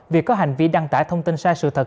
việc có hành vi đăng tả thông tin sai sự thật